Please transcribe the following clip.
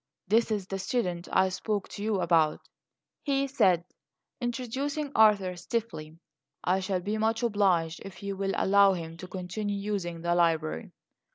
"This is the student I spoke to you about," he said, introducing Arthur stiffly. "I shall be much obliged if you will allow him to continue using the library."